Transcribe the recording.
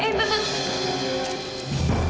eang teman ha